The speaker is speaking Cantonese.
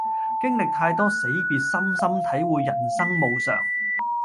經歷太多死別深深體會人生無常